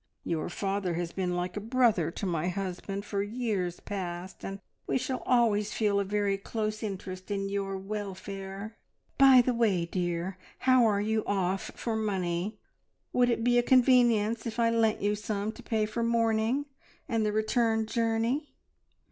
Your father has been like a brother to my husband for years past, and we shall always feel a very close interest in your welfare. "By the way, dear, how are you off for money? Would it be a convenience if I lent you some to pay for mourning and the return journey?